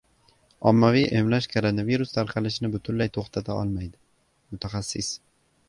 “Ommaviy emlash koronavirus tarqalishini butunlay to‘xtata olmaydi” — mutaxassis